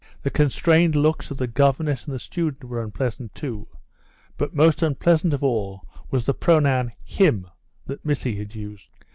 The constrained looks of the governess and the student were unpleasant, too, but most unpleasant of all was the pronoun him that Missy had used.